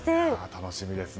楽しみですね。